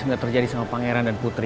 gak terjadi sama pangeran dan putri